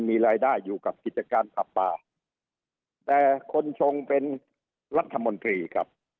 มีรายได้อยู่กับกิจการผับปลาแต่คนชงเป็นรัฐมนตรีครับ